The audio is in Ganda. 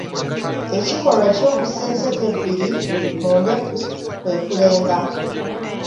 Ekikolwa ekyokussa enseke ebbiri mu ndeku kwe kulemba.